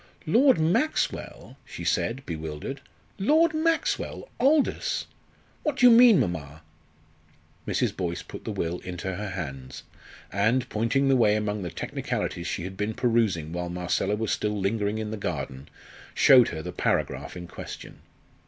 "Lord Maxwell!" she said, bewildered. "Lord Maxwell Aldous! What do you mean, mamma?" Mrs. Boyce put the will into her hands, and, pointing the way among the technicalities she had been perusing while Marcella was still lingering in the garden, showed her the paragraph in question.